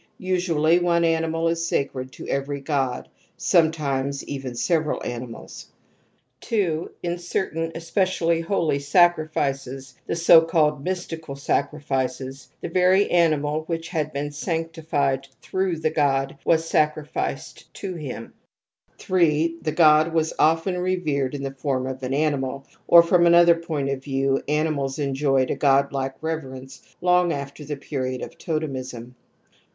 Usually one animal is sacred to every god, sometimes even several ani mals. 2. In certain, especially holy, sacrifices, the so called ' mystical ' sacrifices, the very animal which had been sanctified through the god was sacrificed to him®^. 8, The god was often revered in the form of an animal, or from | another point of view, animals enjoyed a godlike reverence long after the period of totemism.